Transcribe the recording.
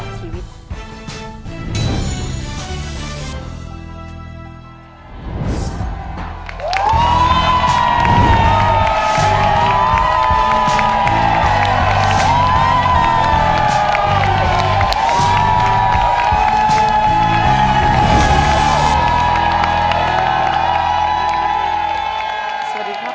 สวัสดีครับ